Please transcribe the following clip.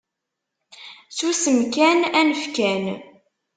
Susem kan, anef kan.